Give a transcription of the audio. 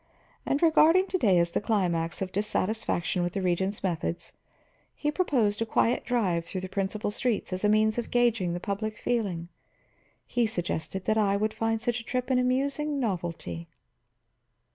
And regarding to day as the climax of dissatisfaction with the Regent's methods, he proposed a quiet drive through the principal streets as a means of gaging the public feeling. He suggested that I would find such a trip an amusing novelty."